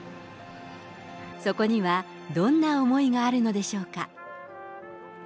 そこには、どんな思いがあるのでしょうか。